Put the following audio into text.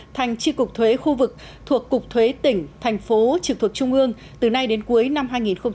thành tri cục thuế khu vực thuộc cục thuế tỉnh thành phố trực thuộc trung ương từ nay đến cuối năm hai nghìn hai mươi